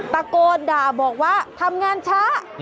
ตะโกนด่าบอกว่าทำงานช้า